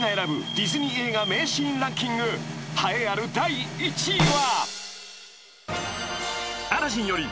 ディズニー映画名シーンランキング栄えある第１位は？］